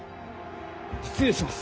失礼します。